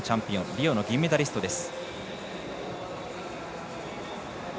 リオの銀メダリストです。